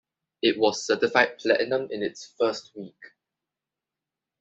It was certified platinum in its first week.